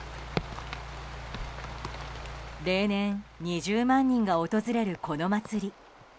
例年、２０万人が訪れるこの祭り。